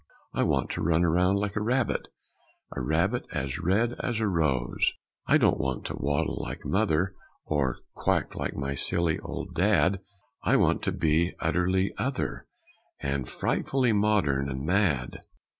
I want to run round like a rabbit, A rabbit as red as a rose. "I don't want to waddle like mother, Or quack like my silly old dad. I want to be utterly other, And frightfully modern and mad."